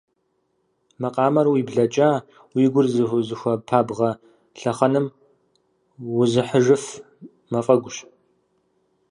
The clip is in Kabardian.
Макъамэр уи блэкӏа, уи гур зыхуэпабгъэ лъэхъэнэм узыхьыжыф мафӏэгущ.